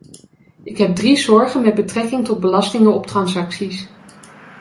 Ik heb drie zorgen met betrekking tot belastingen op transacties.